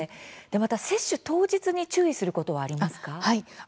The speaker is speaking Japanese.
また、接種当日に注意することはありますか？